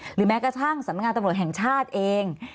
หรือแม้กระทั่งสำนักงานตำรวจแห่งชาติเอง